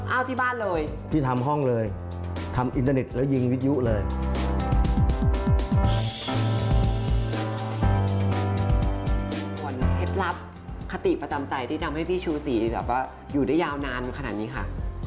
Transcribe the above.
รับคติประจำใจที่ทำให้พี่ชูศรีอยู่ได้ยาวนานขนาดนี้ค่ะ